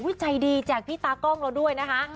ใจดีแจกพี่ตากล้องเราด้วยนะคะ